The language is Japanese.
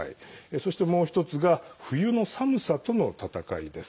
そして、もう１つが冬の寒さとの戦いです。